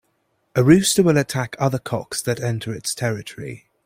A rooster will attack other cocks that enter its territory.